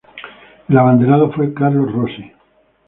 El abanderado fue Carlos Rossi.